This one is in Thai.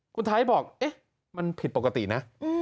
คุณไทยบอกเอ๊ะมันผิดปกตินะ